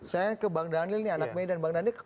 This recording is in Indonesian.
saya ke bang daniel nih anak medan bang daniel